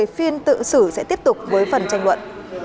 phiên tự xử sẽ tiếp tục với phần tranh luận